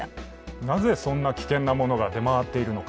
なぜそんな危険なものが出回っているのか。